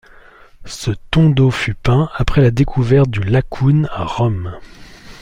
Ce Tondo fut peint après la découverte du Laocoon à Rome.